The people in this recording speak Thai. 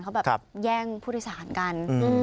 เขาแบบแย่งผู้โดยสารกัน